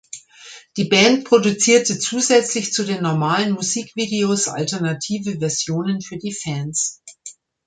Die Band produzierte zusätzlich zu den normalen Musikvideos alternative Versionen für die Fans.